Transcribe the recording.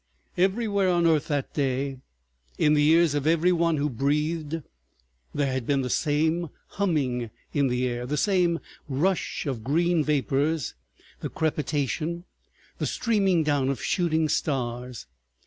... Everywhere on earth that day, in the ears of every one who breathed, there had been the same humming in the air, the same rush of green vapors, the crepitation, the streaming down of shooting stars.